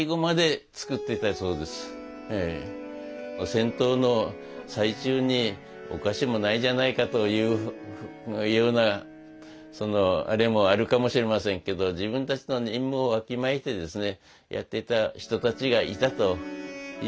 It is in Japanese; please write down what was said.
戦闘の最中にお菓子もないじゃないかというようなあれもあるかもしれませんけど語り伝えてもらいたいですね。